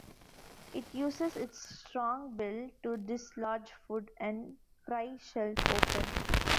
It uses its strong bill to dislodge food and pry shells open.